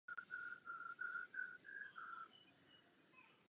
Hlavní úloha opět leží na členských státech.